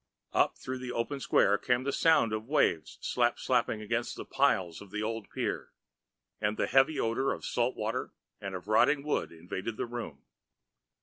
Up through the open square came the sound of waves slap slapping against the piles of the old pier, and the heavy odors of salt water and of rotting wood invaded the room.